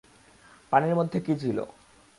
পানির মধ্যে কি ছিল?